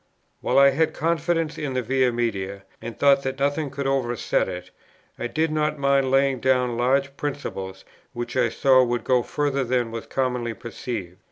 While I had confidence in the Via Media, and thought that nothing could overset it, I did not mind laying down large principles, which I saw would go further than was commonly perceived.